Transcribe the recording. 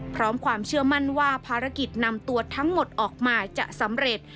ความเชื่อมั่นว่าภารกิจนำตัวทั้งหมดออกมาจะสำเร็จ